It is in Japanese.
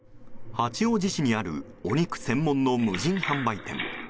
八王子市にあるお肉専門の無人販売店。